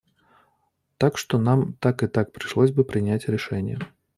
Так что нам так и так пришлось бы принять решение.